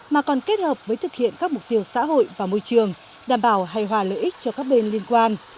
mà còn kết hợp với thực hiện các mục tiêu xã hội và môi trường đảm bảo hài hòa lợi ích cho các bên liên quan